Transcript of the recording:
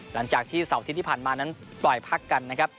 หลังจากที่เสาร์อาทิตย์ที่ผ่านมานั้นปล่อยพักกันนะครับ